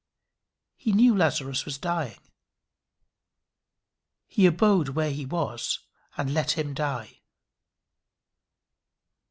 He knew Lazarus was dying. He abode where he was and let him die.